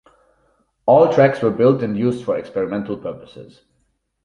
All tracks were built and used for experimental purposes.